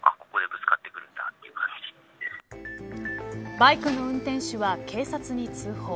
バイクの運転手は警察に通報。